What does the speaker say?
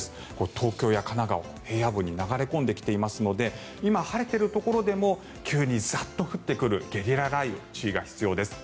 東京や神奈川、平野部に流れ込んできていますので今、晴れているところでも急にザッと降ってくるゲリラ雷雨に注意が必要です。